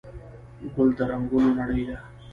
ګل د رنګونو نړۍ ده.